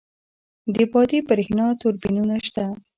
د بادی بریښنا توربینونه شته؟